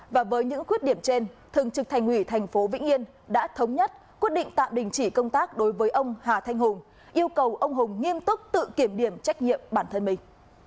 và với những khuyết điểm trên thường trực thành ủy thành phố vĩnh yên đã thống nhất quyết định tạm đình chỉ công tác đối với ông hà thanh hùng yêu cầu ông hùng nghiêm túc tự kiểm điểm trách nhiệm bản thân mình